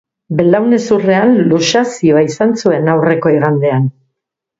Belaunezurrean luxazioa izan zuen aurreko igandean.